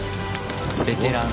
ベテラン。